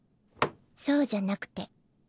そうじゃなくて。